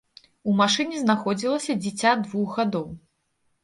У машыне знаходзілася дзіця двух гадоў.